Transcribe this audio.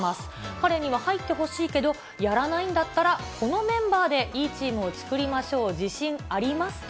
彼には入ってほしいけど、やらないんだったら、このメンバーでいいチームを作りましょう。